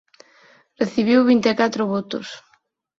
Recibiu vinte e catro votos.